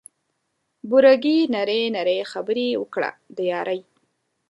بوره ګي نري نري خبري وکړه د یاري